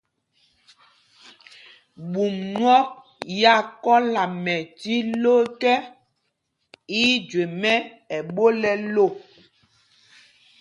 Ɓum nyɔk ya kɔla mɛ tí ló ekɛ, í í jüe mɛ́ ɛɓol ɛ lō.